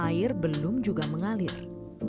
air belum juga mengalir